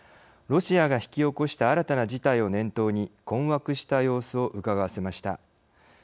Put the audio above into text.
ロシアが引き起こした新たな事態を念頭に困惑した様子をうかがわせました。